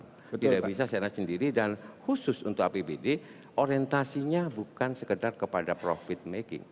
tidak bisa secara sendiri dan khusus untuk apbd orientasinya bukan sekedar kepada profit making